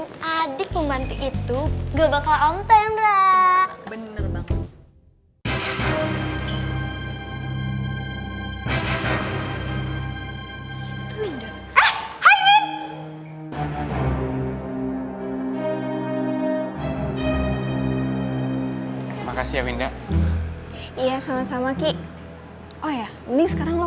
gue juga gak temenan sama lo